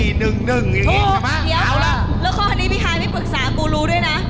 ๔๑๑อย่างนี้ใช่ไหมเอาละถูกเดี๋ยวแล้วข้ออันนี้พี่ฮายไม่ปรึกษากูรู้ด้วยนะ